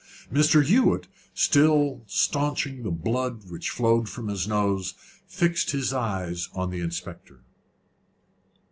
Mr. Hewett, still stanching the blood which flowed from his nose, fixed his eyes on the inspector.